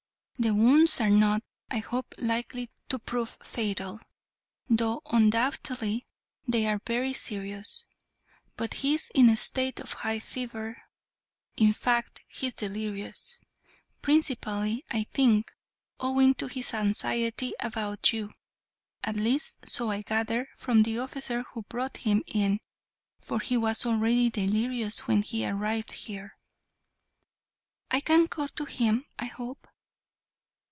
The wounds are not, I hope, likely to prove fatal, though undoubtedly they are very serious; but he is in a state of high fever in fact, he is delirious, principally, I think, owing to his anxiety about you, at least so I gathered from the officer who brought him in, for he was already delirious when he arrived here." "I can go to him, I hope?"